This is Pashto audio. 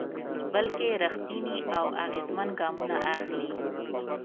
بلکې رېښتيني او اغېزمن ګامونه اخلي.